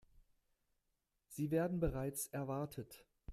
Sie werden bereits erwartet.